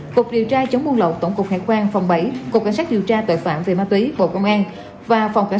cục điều tra chống buôn lậu tổng cục hải quan phòng bảy